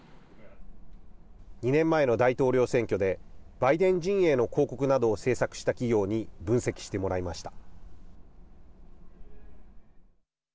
２年前の大統領選挙でバイデン陣営の広告などを制作した企業に分析してもらいました。